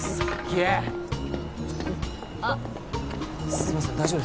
すいません大丈夫ですか？